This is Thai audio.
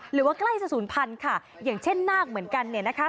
หรือว่าใกล้จะศูนย์พันธุ์ค่ะอย่างเช่นนาคเหมือนกันเนี่ยนะคะ